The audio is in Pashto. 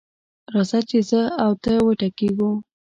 راځه چې زه او ته وټکېږو.